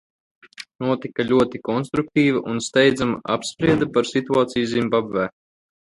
Notika ļoti konstruktīva un steidzama apspriede par situāciju Zimbabvē.